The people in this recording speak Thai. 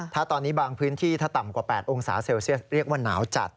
ถ้าตอนนี้บางพื้นที่ถ้าต่ำกว่า๘องศาเซลเซียสเรียกว่าหนาวจัด